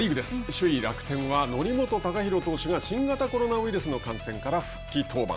首位楽天は則本昂大投手が新型コロナウイルスの感染から復帰登板。